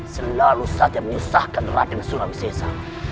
selalu saja menyusahkan raden surawisesa